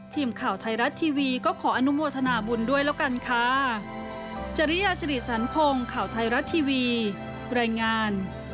ทีมข่าวไทยรัฐทีวีก็ขออนุโมทนาบุญด้วยแล้วกันค่ะ